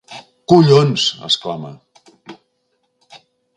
Collons! —exclama—.